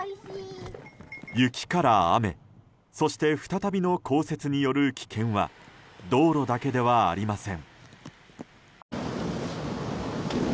雪から雨、そして再びの降雪による危険は道路だけではありません。